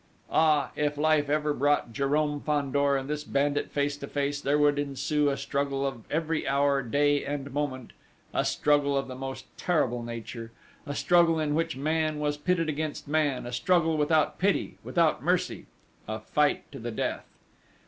Ah, if life ever brought Jérôme Fandor and this bandit face to face, there would ensue a struggle of every hour, day, and moment a struggle of the most terrible nature, a struggle in which man was pitted against man, a struggle without pity, without mercy a fight to the death!